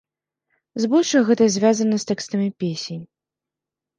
Збольшага гэтае звязана з тэкстамі песень.